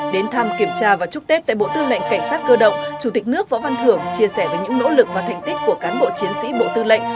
đến thăm kiểm tra và chúc tết tại bộ tư lệnh cảnh sát cơ động chủ tịch nước võ văn thưởng chia sẻ về những nỗ lực và thành tích của cán bộ chiến sĩ bộ tư lệnh